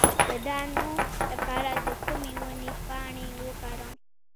د دانو لپاره د کومې ونې پاڼې وکاروم؟